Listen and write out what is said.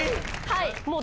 はい。